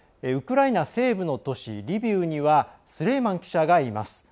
ウクライナ西部の都市リビウにはスレイマン記者がいます。